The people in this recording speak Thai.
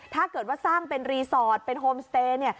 ถ้าเกิดว่าสร้างเป็นรีสอร์ทเป็นโฮมสเตย์เนี่ย